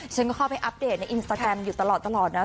ฉันก็เข้าไปอัปเดตในอินสตาแกรมอยู่ตลอดนะ